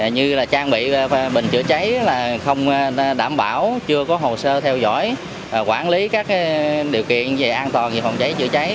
như là trang bị bình chữa cháy là không đảm bảo chưa có hồ sơ theo dõi quản lý các điều kiện về an toàn về phòng cháy chữa cháy